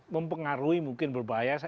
mempengaruhi mungkin berbahaya